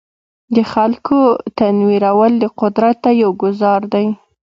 د خلکو تنویرول د قدرت ته یو ګوزار دی.